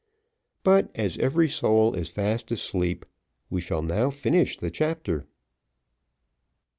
But as every soul is fast asleep, we shall now finish the chapter.